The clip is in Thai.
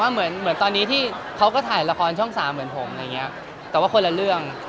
ไม่นะคะผมว่าเหมือนตอนนี้ที่เขาก็ถ่ายละครช่องสามอย่างงี้แต่ว่าคนละเรื่อง